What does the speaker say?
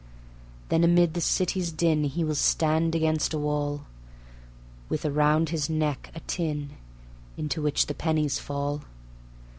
Then amid the city's din He will stand against a wall, With around his neck a tin Into which the pennies fall.